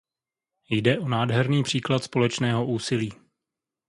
Jde o nádherný příklad společného úsilí.